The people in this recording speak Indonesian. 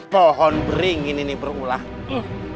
pohon bering ini nih perulang